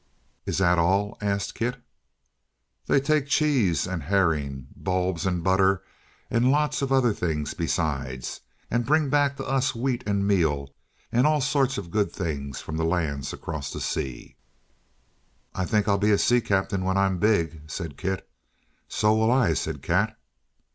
"Is that all?" asked Kit. "They take cheese and herring, bulbs and butter, and lots of other things besides, and bring back to us wheat and meal and all sorts of good things from the lands across the sea." "I think I'll be a sea captain when I'm big," said Kit. "So will I," said Kat.